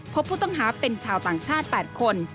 พบผู้ต้องหาเป็นชาวต่างชาติ๘คน